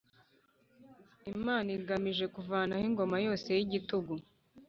Imana igamije kuvanaho ingoma yose y’igitugu